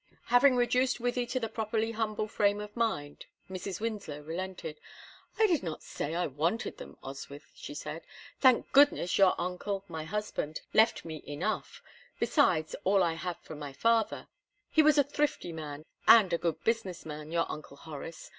Having reduced Wythie to the properly humble frame of mind, Mrs. Winslow relented. "I did not say I wanted them, Oswyth," she said. "Thank goodness, your uncle, my husband, left me enough, besides all I had from my father; he was a thrifty man, and a good business man, your Uncle Horace.